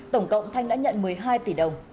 tổng cộng thanh đã nhận một mươi hai tỷ đồng